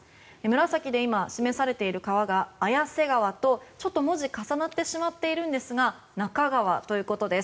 紫で示されている川が綾瀬川と文字が重なってしまっているんですが中川ということです。